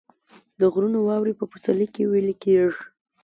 د غرونو واورې په پسرلي کې ویلې کیږي